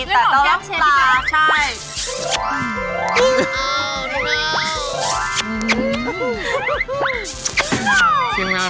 คลิปเชฟจำตาล